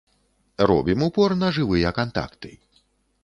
Робім упор на жывыя кантакты.